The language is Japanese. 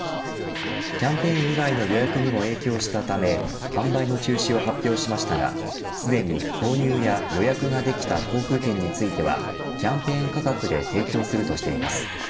キャンペーン以外の予約にも影響したため販売の中止を発表しましたがすでに購入や予約ができた航空券についてはキャンペーン価格で提供するとしています。